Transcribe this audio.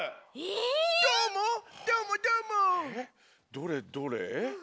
どれどれ。